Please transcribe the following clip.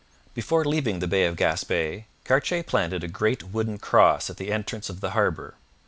Before leaving the Bay of Gaspe, Cartier planted a great wooden cross at the entrance of the harbour.